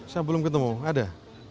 saya belum ketemu ada